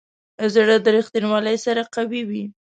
زړه د ریښتینولي سره قوي وي.